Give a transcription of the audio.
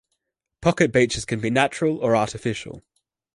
Pocket beaches can be natural or artificial.